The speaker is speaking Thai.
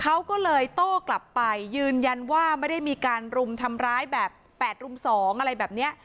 เขาก็เลยโต้กลับไปยืนยันว่าไม่ได้มีการรุมทำร้ายแบบ๘รุม๒อะไรแบบนี้